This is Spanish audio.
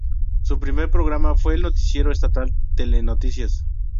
Su primer programa fue el noticiero estatal Telenoticias.